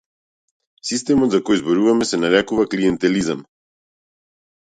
Системот за кој зборуваме се нарекува клиентелизам.